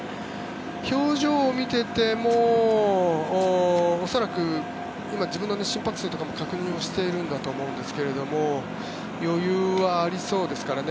表情を見ていても恐らく、今自分の心拍数とかも確認しているんだと思うんですけど余裕はありそうですからね。